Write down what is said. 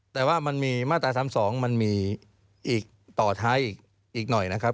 แต่ว่ามันมีมาตรา๓๒มันมีอีกต่อท้ายอีกหน่อยนะครับ